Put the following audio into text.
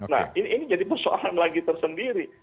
nah ini jadi persoalan lagi tersendiri